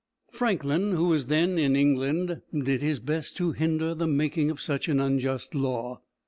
Franklin, who was then in England, did his best to hinder the making of such an unjust law.